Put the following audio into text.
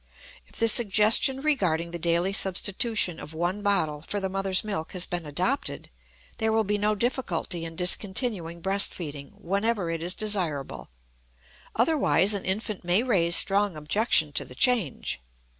If the suggestion regarding the daily substitution of one bottle for the mother's milk has been adopted, there will be no difficulty in discontinuing breast feeding whenever it is desirable; otherwise an infant may raise strong objection to the change.